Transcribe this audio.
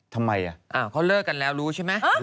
ทำไมเขาเลิกกันแล้วรู้ใช่ไหม